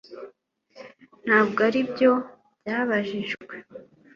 Ntabwo aribyo byabajijwe